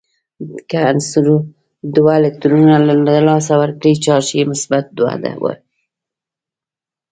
که عنصر دوه الکترونونه د لاسه ورکړي چارج یې مثبت دوه دی.